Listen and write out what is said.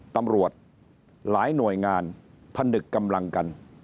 ตำรวจหลายหน่วยงานผนึกกำลังกัน